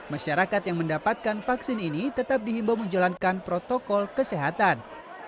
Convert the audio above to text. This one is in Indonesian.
masyarakat yang mendapatkan vaksin ini tetap dihimbau menjalankan protokol kesehatan